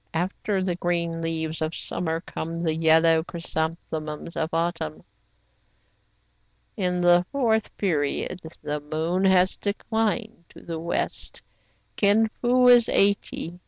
After the green leaves of summer come the yellow chrysanthemums of autumn. "In the fourth period the moon has declined to the west. Kin Fo is eighty.